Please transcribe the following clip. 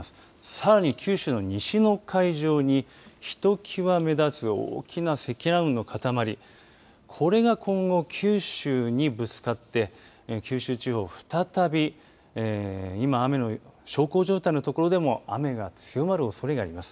さらに九州の西の海上にひときわ目立つ大きな積乱雲の塊これが今後、九州にぶつかって九州地方、再び今、雨の小康状態の所でも雨が強まるおそれがあります。